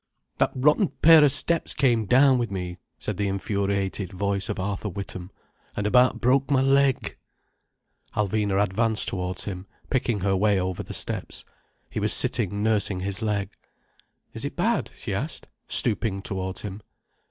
"That rotten pair of steps came down with me," said the infuriated voice of Arthur Witham, "and about broke my leg." Alvina advanced towards him, picking her way over the steps. He was sitting nursing his leg. "Is it bad?" she asked, stooping towards him.